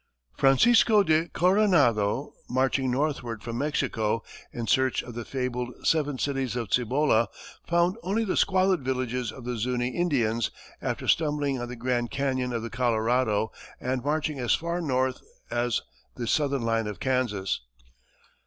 Francisco de Coronado, marching northward from Mexico, in search of the fabled Seven Cities of Cibola, found only the squalid villages of the Zuni Indians, after stumbling on the Grand Canyon of the Colorado, and marching as far north as the southern line of Kansas.